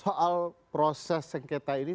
soal proses sengketa ini